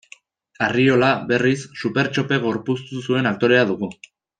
Arriola, berriz, Supertxope gorpuztu zuen aktorea dugu.